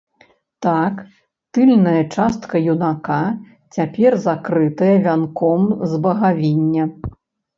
Так, тыльная частка юнака цяпер закрытая вянком з багавіння.